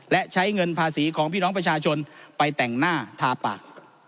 และใช้เงินภาษีของพี่น้องประชาชนไปแต่งหน้าทาปาก